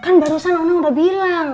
kan barusan orang udah bilang